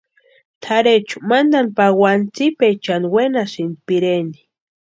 Tʼarhechu mantani pawani tsipaechani wenasïnti pireni.